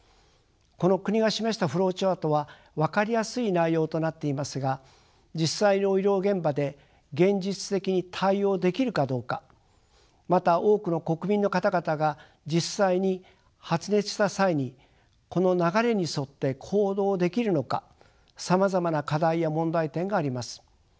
この国が示したフローチャートは分かりやすい内容となっていますが実際の医療現場で現実的に対応できるかどうかまた多くの国民の方々が実際に発熱した際にこの流れに沿って行動できるのかさまざまな課題や問題点があります。